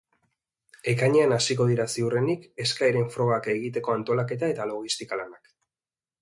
Ekainean hasiko dira ziurrenik eskaeren frogak egiteko antolaketa eta logistika lanak.